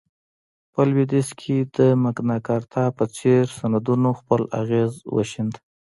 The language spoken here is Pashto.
په لوېدیځ کې د مګناکارتا په څېر سندونو خپل اغېز وښند.